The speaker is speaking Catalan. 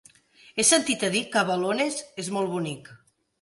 He sentit a dir que Balones és molt bonic.